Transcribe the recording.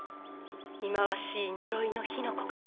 忌まわしい呪いの火の粉から。